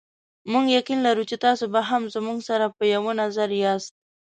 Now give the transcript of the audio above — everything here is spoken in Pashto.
موږ یقین لرو چې تاسې به هم زموږ سره په یوه نظر یاست.